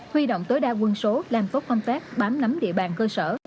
huy động tối đa quân số làm tốt công tác bám nắm địa bàn cơ sở